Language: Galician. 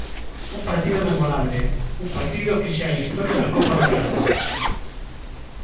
Un partido memorable, un partido que xa é historia da Copa do Rei.